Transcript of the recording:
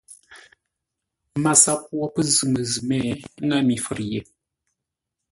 MASAP wo pə́ zʉ̂ məzʉ̂ mé, ə́ ŋə́ mi fə̌r ye.